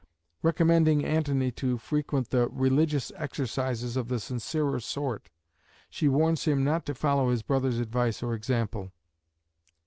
Recommending Antony to frequent "the religious exercises of the sincerer sort," she warns him not to follow his brother's advice or example.